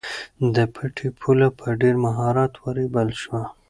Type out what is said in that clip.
د پټي پوله په ډېر مهارت ورېبل شوه.